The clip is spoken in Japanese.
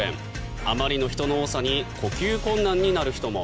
あまりの人の多さに呼吸困難になる人も。